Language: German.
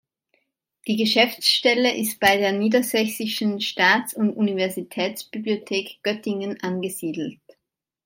Die Geschäftsstelle ist bei der Niedersächsischen Staats- und Universitätsbibliothek Göttingen angesiedelt.